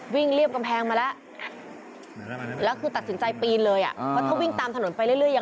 วิ่งเรียบกำแพงมาละแล้วคือตัดสินใจปีนเลยอ่ะถ้าวิ่งตามถนนไปเรื่อย